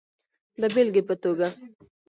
د بیلګی په توکه